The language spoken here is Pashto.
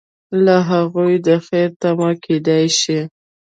له هغوی د خیر تمه کیدای شي.